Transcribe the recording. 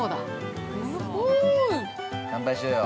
◆乾杯しようよ。